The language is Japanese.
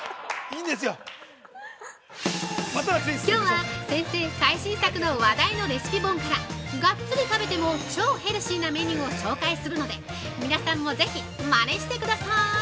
きょうは、先生最新作の話題のレシピ本からガッツリ食べても超ヘルシーなメニューを紹介するので、皆さんもぜひまねしてください。